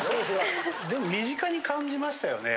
でも身近に感じましたよね